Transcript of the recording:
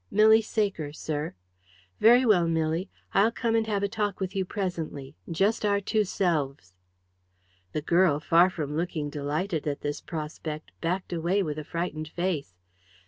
"Milly Saker, sir." "Very well, Milly. I'll come and have a talk with you presently just our two selves." The girl, far from looking delighted at this prospect, backed away with a frightened face.